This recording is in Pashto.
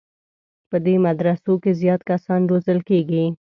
په دې مدرسو کې زیات کسان روزل کېږي.